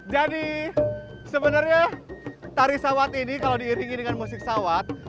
jadi sebenarnya tari sawat ini kalau diiringi dengan musik sawat